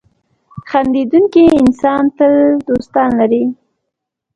• خندېدونکی انسان تل دوستان لري.